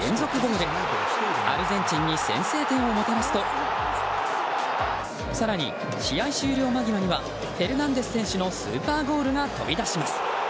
アルゼンチンに先制点をもたらすと更に、試合終了間際にはフェルナンデス選手のスーパーゴールが飛び出します。